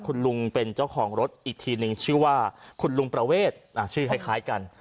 คุณลุงเป็นเจ้าของรถอีกทีนึงชื่อว่าคุณลุงประเวทชื่อคล้ายกัน